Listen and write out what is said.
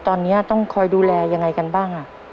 ตอนนี้ต้องคอยดูแลยังไงกันบ้าง